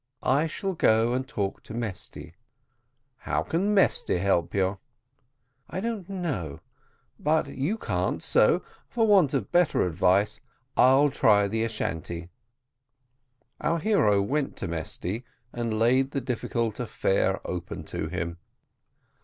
I shall go and talk to Mesty." "How can Mesty help you?" "I don't know, but you can't; so, for want of better advice, I'll try the Ashantee." Our hero went to Mesty, and laid the difficult affair open to him.